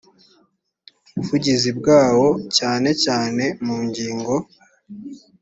vugizi bawo cyane cyane mu ngingo